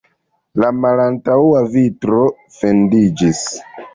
La malantaŭa vitro fendiĝis.